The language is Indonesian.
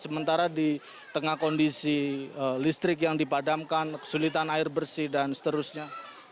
sementara di tengah kondisi listrik yang dipadamkan kesulitan air bersih dan seterusnya